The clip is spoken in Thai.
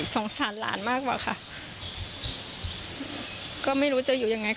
สารหลานมากกว่าค่ะก็ไม่รู้จะอยู่ยังไง